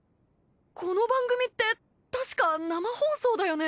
この番組ってたしか生放送だよね。